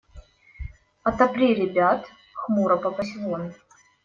– Отопри ребят, – хмуро попросил он.